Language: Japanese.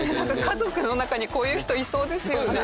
家族の中にこういう人いそうですよね。